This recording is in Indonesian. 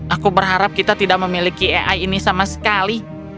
aku berharap kita tidak memiliki ai ini sama sekali